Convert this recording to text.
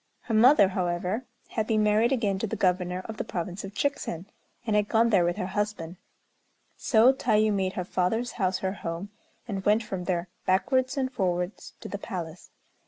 Her mother, however, had been married again to the Governor of the province of Chikzen, and had gone there with her husband; so Tayû made her father's house her home, and went from there backwards and forwards to the palace.